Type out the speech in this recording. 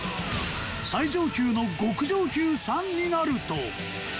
最上級の極上級３になると